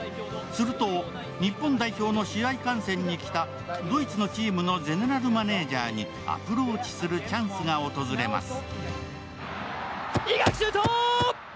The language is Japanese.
すると、日本代表の試合観戦に来たドイツのチームのゼネラルマネージャーにアプローチするチャンスが訪れます。